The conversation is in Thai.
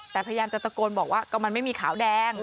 แต่พยายามจะตะโกนบอกว่าก็มันไม่มีขาวแดง